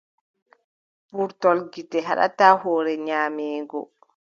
Purtol gite haɗataa hoore nyaameego.